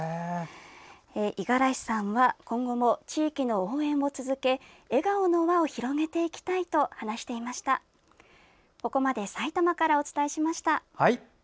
五十嵐さんは今後も地域の応援を続け笑顔の輪を広げていきたいと話していました。